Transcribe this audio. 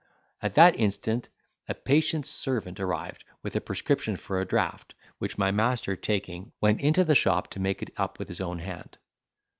At that instant a patient's servant arrived with a prescription for a draught, which my master taking, went into the shop to make it up with his own hand.